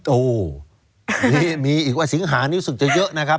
โอ้มีอีกว่าสิงหานี่รู้สึกจะเยอะนะครับ